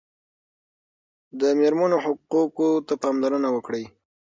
د مېرمنو حقوقو ته پاملرنه وکړئ.